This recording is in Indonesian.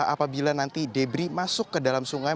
apabila nanti debri masuk ke dalam sungai